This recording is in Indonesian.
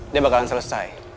dia bakalan selesai